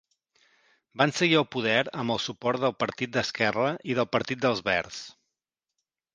Van seguir al poder amb el suport del Partit d'Esquerra i del Partit dels Verds.